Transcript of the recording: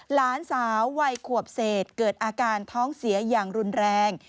หลานสาววัยขวบเศษเกิดอาการท้องเสียอย่างรุนแรง